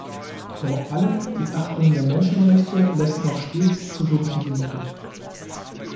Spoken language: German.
Vor allem die Achtung der Menschenrechte lässt noch stets zu wünschen übrig.